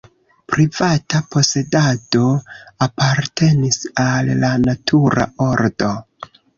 Privata posedado apartenis al la natura ordo.